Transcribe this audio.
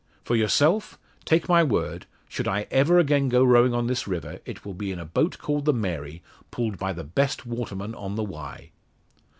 For yourself, take my word, should I ever again go rowing on this river it will be in a boat called the Mary, pulled by the best waterman on the Wye."